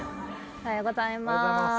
おはようございます。